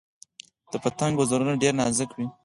د پتنګ وزرونه ډیر نازک وي